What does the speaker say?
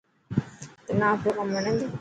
تنا آپرو ڪم وڻي ٿو.